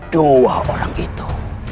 dua orang itu